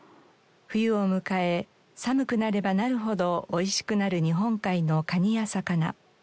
冬を迎え寒くなればなるほどおいしくなる日本海のカニや魚。